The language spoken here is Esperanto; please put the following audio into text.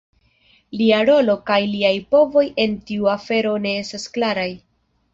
Lia rolo kaj liaj povoj en tiu afero ne estas klaraj.